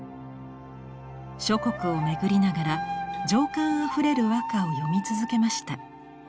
諸国を巡りながら情感あふれる和歌を詠み続けました。